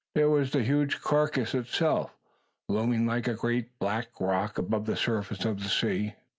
There was the huge carcass itself, looming like a great black rock above the surface of the sea.